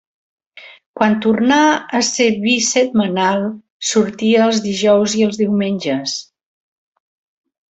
Quan tornà a ser bisetmanal sortia els dijous i els diumenges.